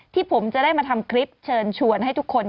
ที่ผมจะได้มาทำคลิปเชิญชวนให้ทุกคน